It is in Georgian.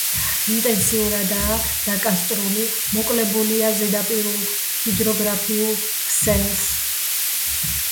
ინტენსიურადაა დაკარსტული, მოკლებულია ზედაპირულ ჰიდროგრაფიულ ქსელს.